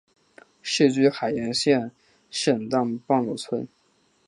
世居海盐县沈荡半逻村。